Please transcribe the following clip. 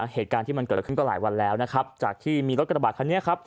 เหตุการณ์ที่มันเกิดขึ้นก็หลายวันแล้วนะครับจากที่มีรถกระบาดคันนี้ครับ